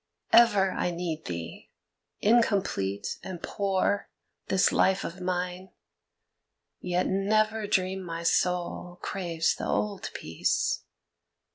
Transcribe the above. Ever I need thee. Incomplete and poor This life of mine. Yet never dream my soul Craves the old peace.